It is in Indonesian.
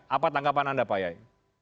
apa tanggapan anda pak yai